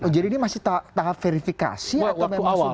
jadi ini masih tahap verifikasi atau memang sudah